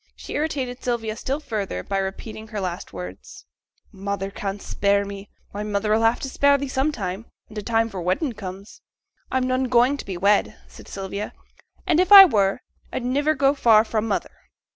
She irritated Sylvia still further by repeating her last words, '"Mother can't spare me;" why, mother 'll have to spare thee sometime, when t' time for wedding comes.' 'I'm none going to be wed,' said Sylvia; 'and if I were, I'd niver go far fra' mother.'